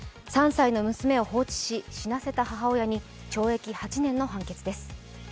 ３歳の娘を放置し死なせた母親に懲役８年の判決です。